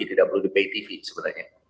tidak perlu di bay tv sebenarnya